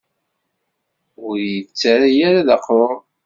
Ur yi-ttarra ara d aqrur.